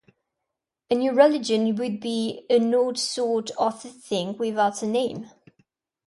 A new religion would be an odd sort of a thing without a name.